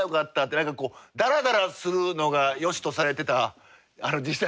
何かこうダラダラするのがよしとされてた時代やったんですよ。